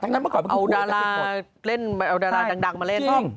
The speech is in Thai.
ทั้งนั้นเมื่อก่อนมันคือพูดกับเกษตรหมดเอาดาราดังมาเล่น